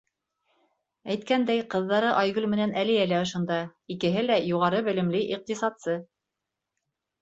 Әйткәндәй, ҡыҙҙары Айгөл менән Әлиә лә ошонда, икеһе лә — юғары белемле иҡтисадсы.